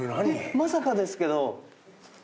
まさかですけど。